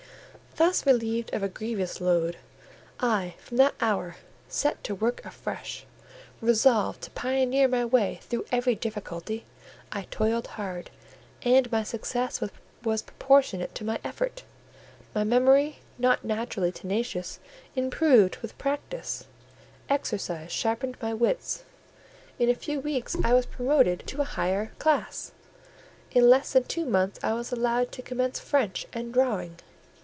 Thus relieved of a grievous load, I from that hour set to work afresh, resolved to pioneer my way through every difficulty: I toiled hard, and my success was proportionate to my efforts; my memory, not naturally tenacious, improved with practice; exercise sharpened my wits; in a few weeks I was promoted to a higher class; in less than two months I was allowed to commence French and drawing.